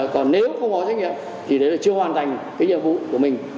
còn nếu không có trách nhiệm thì đấy là chưa hoàn thành cái nhiệm vụ của mình